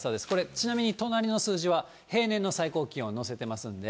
ちなみに隣の数字は、平年の最高気温載せてますんで。